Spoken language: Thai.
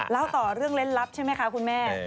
เล่าต่อเรื่องเล่นลับใช่ไหมคะคุณแม่